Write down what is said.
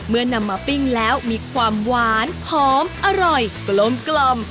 นำมาปิ้งแล้วมีความหวานหอมอร่อยกลม